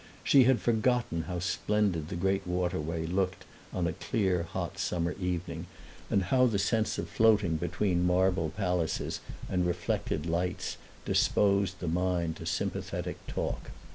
She had forgotten how splendid the great waterway looked on a clear, hot summer evening, and how the sense of floating between marble palaces and reflected lights disposed the mind to sympathetic talk.